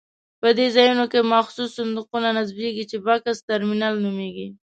په دې ځایونو کې مخصوص صندوقونه نصبېږي چې بکس ترمینل نومېږي.